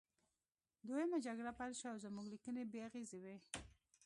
دویمه جګړه پیل شوه او زموږ لیکنې بې اغیزې وې